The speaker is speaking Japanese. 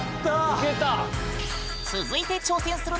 いけた！